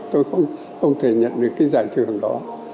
tôi không thể nhận được cái giải thưởng đó